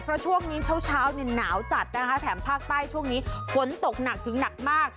เพราะช่วงนี้เช้าเนี่ยหนาวจัดนะคะแถมภาคใต้ช่วงนี้ฝนตกหนักถึงหนักมาก